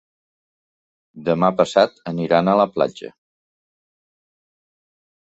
Demà passat aniran a la platja.